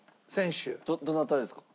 どなたですか？